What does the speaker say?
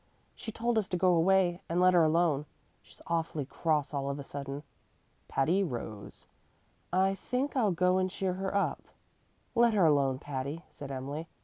She told us to go away and let her alone. She's awfully cross all of a sudden." Patty rose. "I think I'll go and cheer her up." "Let her alone, Patty," said Emily.